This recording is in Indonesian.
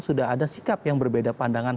sudah ada sikap yang berbeda pandangan